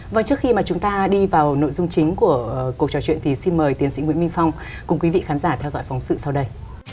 và trước khi mà chúng ta đi vào nội dung chính của cuộc trò chuyện thì xin mời tiến sĩ nguyễn minh phong cùng quý vị khán giả theo dõi phóng sự sau đây